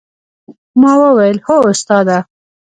ما وويل هو استاده.